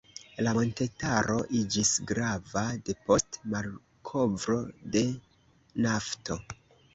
La montetaro iĝis grava depost malkovro de nafto.